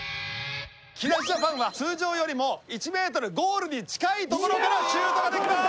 木梨ジャパンは通常よりも１メートルゴールに近い所からシュートができます！